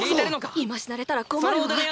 今死なれたら困るわ！